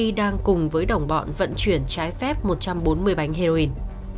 vàng xeo quáng đang cùng với đồng bọn vận chuyển trái phép một trăm bốn mươi bánh heroin